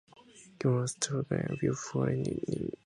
Enormous sturgeon and plentiful salmon were a draw for anglers.